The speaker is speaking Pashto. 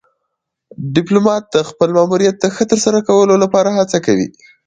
ډيپلومات د خپل ماموریت د ښه ترسره کولو لپاره هڅه کوي.